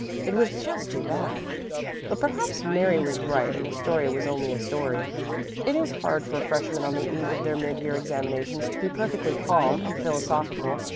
It was just too bad. But perhaps Mary was right and the story was only a story. It is hard for freshmen on the eve of their mid year examinations to be perfectly calm and philosophical.